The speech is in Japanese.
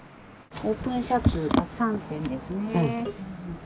オープンシャツ３点ですね。